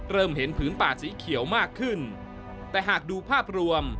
เริ่มเห็นผืนป่าสีเขียวมากขึ้นแต่หากดูภาพรวม